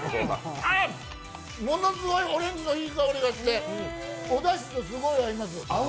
ものすごいオレンジのいい香りがして、おだしとすごい合います。